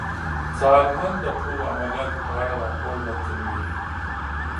څارمن د ټولو عملیاتو په اړه راپور ورکوي.